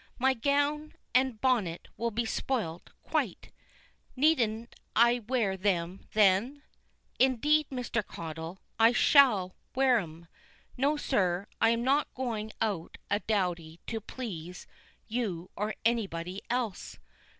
My gown and bonnet will be spoilt quite. Needn't I wear 'em, then? Indeed, Mr. Caudle, I shall wear 'em. No, sir, I'm not going out a dowdy to please you or anybody else.